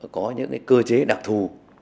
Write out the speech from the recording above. có những cơ chế đặc thù